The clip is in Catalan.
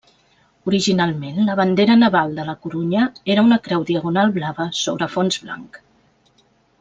Originalment, la bandera naval de La Corunya era una creu diagonal blava sobre fons blanc.